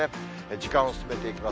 時間を進めていきます。